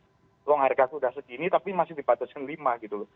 kalau harga sudah segini tapi masih dibatasi lima gitu